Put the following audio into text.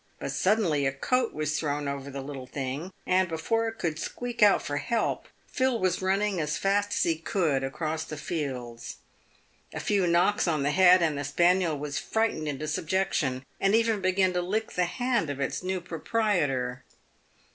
But suddenly a coat was thrown over the little thing, and, before it could squeak out for help, Phil was running as fast as he could across the fields. A few knocks on the head and the spaniel was frightened into subjection, and even began to lick the hand of its new proprietor.